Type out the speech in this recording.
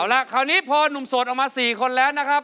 เอาละคราวนี้โพสนุ้มสดออกมา๔คนแล้วนะครับ